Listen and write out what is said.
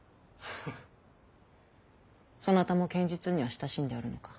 そなたも剣術には親しんでおるのか？